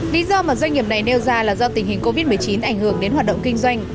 lý do mà doanh nghiệp này nêu ra là do tình hình covid một mươi chín ảnh hưởng đến hoạt động kinh doanh